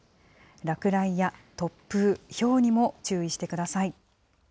落雷や突風、ひょうにも注意してください。